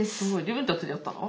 自分たちでやったの？